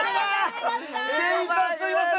店員さんすいません